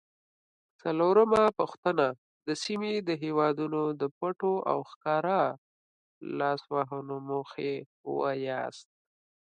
څلورمه پوښتنه: د سیمې د هیوادونو د پټو او ښکاره لاسوهنو موخې ووایاست؟